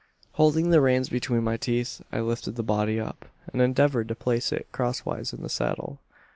"Holding the reins between my teeth, I lifted the body up, and endeavoured to place it crosswise in the saddle.